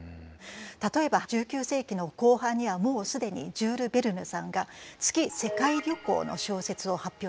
例えば１９世紀の後半にはもう既にジュール・ヴェルヌさんが「月世界旅行」の小説を発表されています。